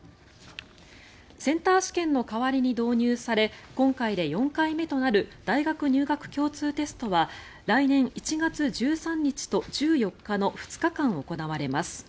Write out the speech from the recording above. センター試験の代わりに導入され今回で４度目となる大学入学共通テストは来年１月１３日と１４日の２日間行われます。